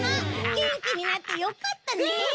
げんきになってよかったね。